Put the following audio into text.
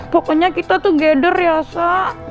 pokoknya kita together ya sa